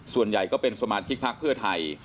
ส่วนใหญ่ก็เป็นสมาชิกพักเพื่อไทย